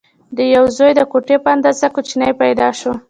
د دیو زوی د ګوتې په اندازه کوچنی پیدا شو.